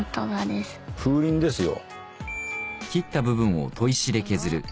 風鈴ですよ。